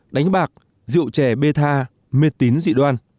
chín đánh bạc rượu trẻ bê tha miệt tín dị đoan